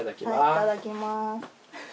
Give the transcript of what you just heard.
いただきます。